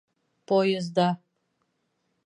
Поезда